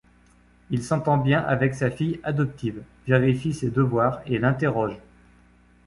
Il s'entend bien avec sa fille adoptive, vérifie ses devoirs et l'interroge.